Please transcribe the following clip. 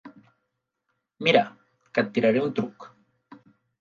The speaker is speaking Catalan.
Mira, que et tiraré un truc.